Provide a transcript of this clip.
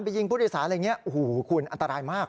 ยิงผู้โดยสารอะไรอย่างนี้โอ้โหคุณอันตรายมาก